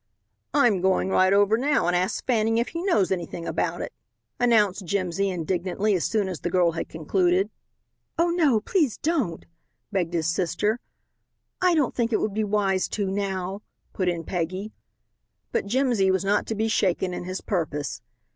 "I'm going right over now and ask Fanning if he knows anything about it," announced Jimsy indignantly as soon as the girl had concluded. "Oh, don't, please don't," begged his sister. "I don't think it would be wise to, now," put in Peggy. But Jimsy was not to be shaken in his purpose.